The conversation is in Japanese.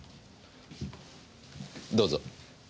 どうぞ。